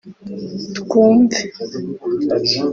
Twumve”